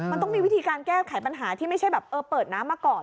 มันต้องมีวิธีการแก้ไขปัญหาที่ไม่ใช่แบบเออเปิดน้ำมาก่อน